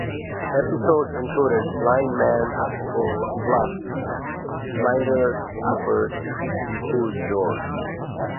Episodes included "Blind Man's Bluff", "Finders Keepers", "Who's George?